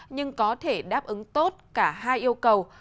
nhưng có thể đáp ứng tốt cả hai yêu cầu